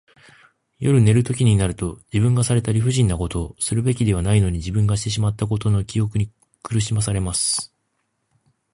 夜寝るときになると、自分がされた理不尽なこと、するべきではないのに自分がしてしまったことの記憶に苦しまされます。